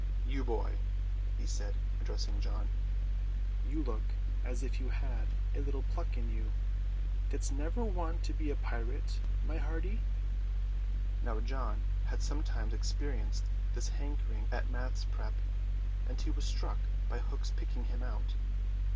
"You, boy," he said, addressing John, "you look as if you had a little pluck in you. Didst never want to be a pirate, my hearty?" Now John had sometimes experienced this hankering at maths. prep.; and he was struck by Hook's picking him out.